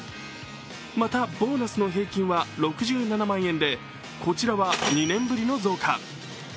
また、ボーナスの平均は６７万円でこちらは２年ぶりの増加。